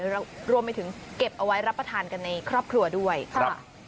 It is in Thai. รวมไปถึงเก็บเอาไว้รับประทานกันในครอบครัวด้วยค่ะ